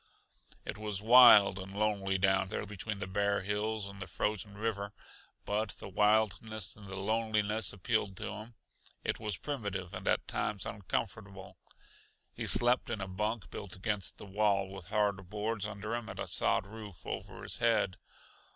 It was wild and lonely down there between the bare hills and the frozen river, but the wildness and the loneliness appealed to him. It was primitive and at times uncomfortable. He slept in a bunk built against the wall, with hard boards under him and a sod roof over his head.